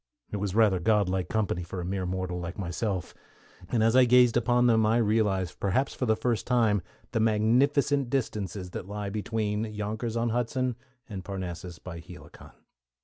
It was rather godlike company for a mere mortal like myself, and as I gazed upon them I realized, perhaps for the first time, the magnificent distances that lie between Yonkers on Hudson and Parnassus by Helicon.